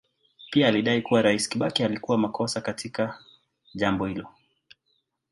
Pia alidai kuwa Rais Kibaki alikuwa makosa katika jambo hilo.